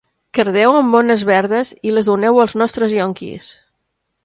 Cardeu amb mones verdes i les doneu als nostres ionquis.